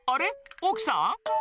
奥さん。